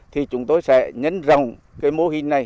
thì chúng tôi sẽ nhân rồng cái mô hình này